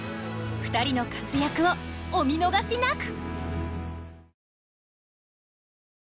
２人の活躍をお見逃しなく！